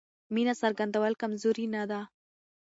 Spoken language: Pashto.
مینه څرګندول کمزوري نه ده.